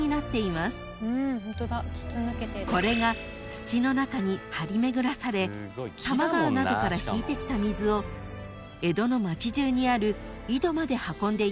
［これが土の中に張り巡らされ多摩川などから引いてきた水を江戸の町中にある井戸まで運んでいたのです］